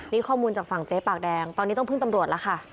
นี่ข้อมูลจากฝั่งเจ๊ปากแดงตอนนี้ต้องพึ่งตำรวจแล้วค่ะ